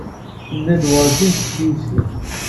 Tenna-d werǧin tesli yes-i.